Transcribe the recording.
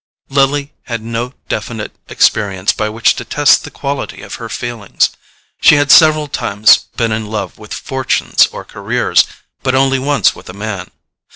Lily had no definite experience by which to test the quality of her feelings. She had several times been in love with fortunes or careers, but only once with a man.